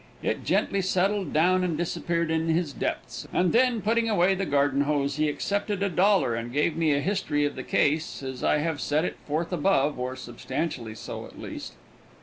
It gently settled down and disappeared in his depths, and then, putting away the garden hose, he accepted a dollar and gave me a history of the case as I have set it forth above, or substantially so, at least.